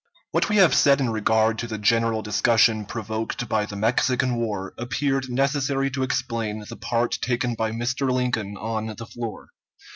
What we have said in regard to the general discussion provoked by the Mexican war, appeared necessary to explain the part taken by Mr. Lincoln on the floor.